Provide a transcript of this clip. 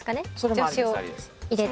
助詞を入れて。